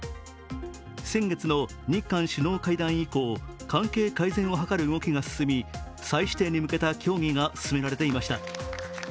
先月の日韓首脳会談以降、関係改善を図る動きが進み、再指定に向けた協議が進められていました。